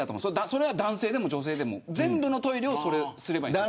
それは男性でも女性でも全部をそれにすればいいんです。